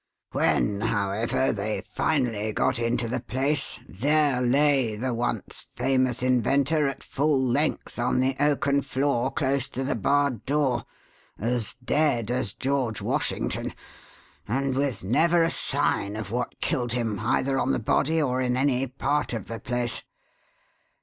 When, however, they finally got into the place there lay the once famous inventor at full length on the oaken floor close to the barred door, as dead as George Washington, and with never a sign of what killed him either on the body or in any part of the place.